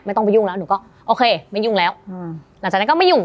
ต้องไปยุ่งแล้วหนูก็โอเคไม่ยุ่งแล้วหลังจากนั้นก็ไม่ยุ่ง